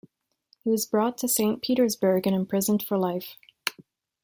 He was brought to Saint Petersburg and imprisoned for life.